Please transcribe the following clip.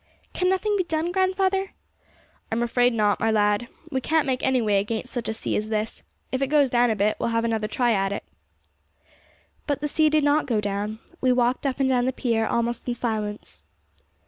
'Can nothing be done, grandfather?' 'I'm afraid not, my lad. We can't make any way against such a sea as this; if it goes down a bit, we'll have another try at it.' But the sea did not go down. We walked up and down the pier almost in silence.